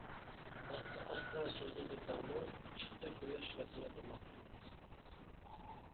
ئاستا-ئاستا سۈزۈلدى تاڭمۇ، چىقتى قۇياش ياسىنىپ ئوماق.